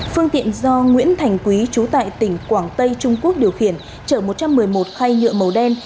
phương tiện do nguyễn thành quý trú tại tỉnh quảng tây trung quốc điều khiển chở một trăm một mươi một khay nhựa màu đen